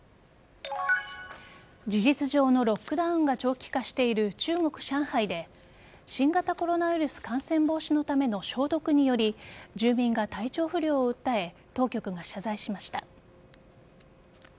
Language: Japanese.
事実上のロックダウンが長期化している中国・上海で新型コロナウイルス感染防止のための消毒により住民が体調不良を訴え当局が謝罪しました。